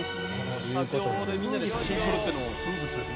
スタジオでみんなで写真を撮るのも風物ですね。